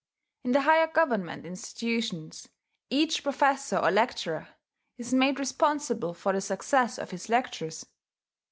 In the higher government institutions, each professor or lecturer is made responsible for the success of his lectures.